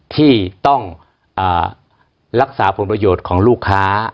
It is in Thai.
ที่ต้องรักษาผลประโยชน์ของลูกค้า